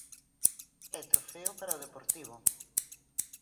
E trofeo para o Deportivo.